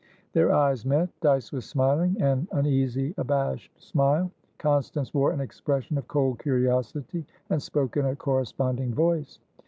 Their eyes met, Dyce was smiling, an uneasy, abashed smile. Constance wore an expression of cold curiosity, and spoke in a corresponding voice.